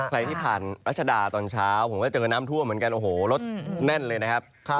ใครที่ผ่านรัชดาตอนเช้าผมก็เจอน้ำท่วมเหมือนกันโอ้โหรถแน่นเลยนะครับ